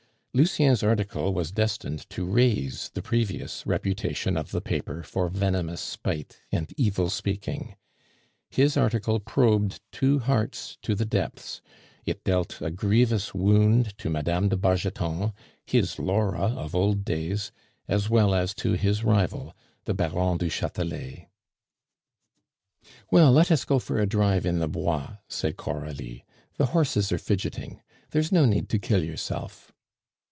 Lucien's article was destined to raise the previous reputation of the paper for venomous spite and evil speaking. His article probed two hearts to the depths; it dealt a grievous wound to Mme. de Bargeton, his Laura of old days, as well as to his rival, the Baron du Chatelet. "Well, let us go for a drive in the Bois," said Coralie, "the horses are fidgeting. There is no need to kill yourself."